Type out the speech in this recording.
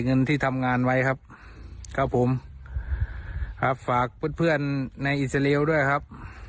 เงินที่ทำงานไว้ครับครับผมครับฝากเพื่อนในด้วยครับ